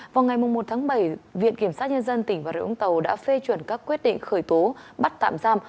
vào ngày một tháng bảy viện kiểm soát nhân dân tỉnh và rượu ống tàu đã phê chuẩn các quyết định khởi tố bắt tạm giam